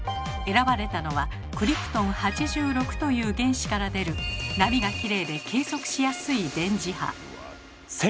選ばれたのは「クリプトン８６」という原子から出る波がきれいで計測しやすい電磁波。